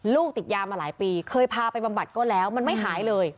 ติดยามาหลายปีเคยพาไปบำบัดก็แล้วมันไม่หายเลย